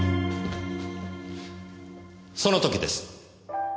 その時です！